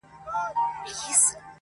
دا به ولاړ وي د زمان به توپانونه راځي!